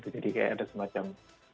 jadi kayak ada semacam